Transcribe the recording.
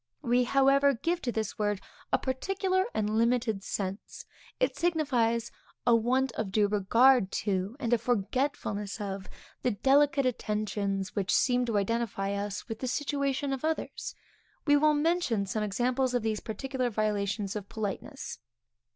We, however, give to this word a particular and limited sense. It signifies a want of due regard to, and a forgetfulness of, the delicate attentions which seem to identify us with the situation of others. We will mention some examples of these particular violations of politeness.